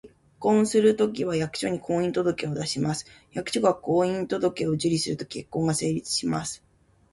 結婚をするときは、役所に「婚姻届」を出します。役所が「婚姻届」を受理すると、結婚が成立します